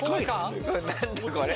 何だこれ！